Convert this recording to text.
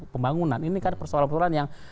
pembangunan ini kan persoalan persoalan yang